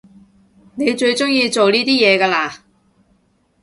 你最中意做呢啲嘢㗎啦？